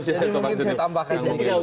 mungkin saya tambahkan